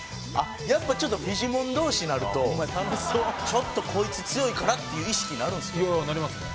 やっぱちょっとフィジモン同士になるとちょっとこいつ強いからっていう意識になるんですか？